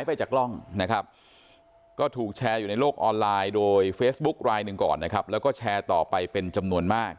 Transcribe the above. ไลน์๑ก่อนนะครับแล้วก็แชร์ต่อไปเป็นจำนวนมาก